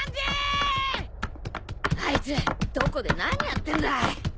あいつどこで何やってんだ？